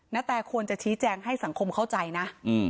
นาแตควรจะชี้แจงให้สังคมเข้าใจนะ